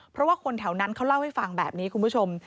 เพราะว่าคนแถวนั้นเขาเล่าให้ฟังแบบนี้คุณผู้ชม